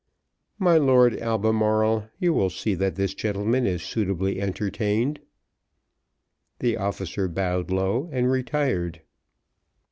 "My Lord Albemarle, you will see that this gentleman is suitably entertained." The officer bowed low and retired.